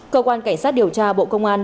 cơ quan cảnh sát điều tra bộ công an